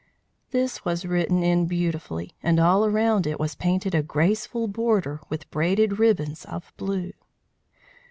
This was written in beautifully, and all around it was painted a graceful border like braided ribbons of blue.